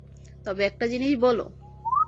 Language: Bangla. তবে একটা জিনিস বলো।